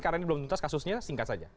karena ini belum tuntas kasusnya singkat saja